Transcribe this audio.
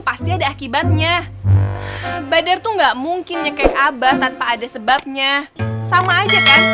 pasti ada akibatnya bader tuh nggak mungkinnya kayak abad tanpa ada sebabnya sama aja kan